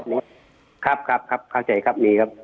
ครับครับครับครับเข้าใจครับ